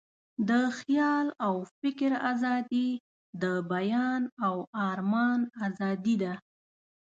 د خیال او فکر آزادي، د بیان او آرمان آزادي ده.